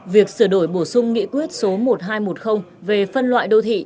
việc sửa đổi bổ sung nghị quyết số một nghìn hai trăm một mươi về phân loại đô thị